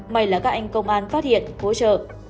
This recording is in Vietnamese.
may là các anh công an phát hiện hỗ trợ